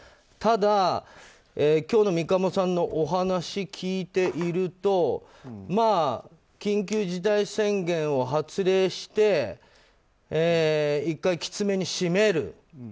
ただ、今日の三鴨さんのお話を聞いていると緊急事態宣言を発令して１回、きつめに締める。